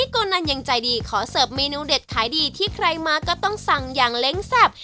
โกนันยังใจดีขอเสิร์ฟเมนูเด็ดขายดีที่ใครมาก็ต้องสั่งอย่างเล้งแซ่บ